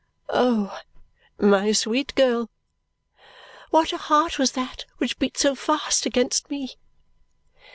'" Oh, my sweet girl, what a heart was that which beat so fast against me!